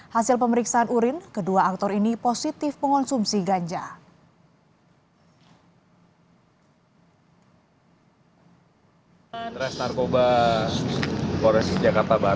hasil pemeriksaan urin kedua aktor ini positif mengonsumsi ganja